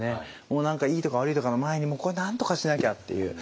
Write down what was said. もう何かいいとか悪いとかの前にこれなんとかしなきゃっていう。